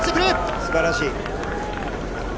すばらしい。